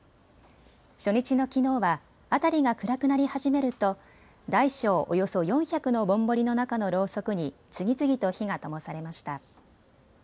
初日のきのうは、辺りが暗くなり始めると大小およそ４００のぼんぼりの中のろうそくに次々と火がともされました。